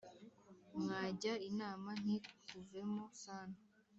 mwajya inama ntikuvemo sana